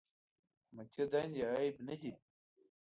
حکومتي دندې عیب نه دی.